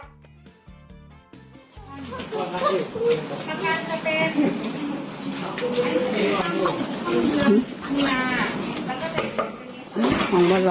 พี่พูดหายแล้วอะไร